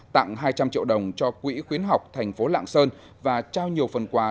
tặng hai trăm linh triệu đồng cho quỹ khuyến học thành phố lạng sơn và trao nhiều phần quà